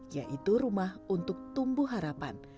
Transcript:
yaitu rumah untuk tumbuh harapan